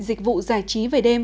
dịch vụ giải trí về đêm